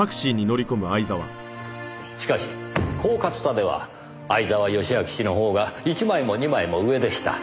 しかし狡猾さでは相沢良明氏の方が一枚も二枚も上でした。